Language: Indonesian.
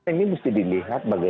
ini mesti dilihat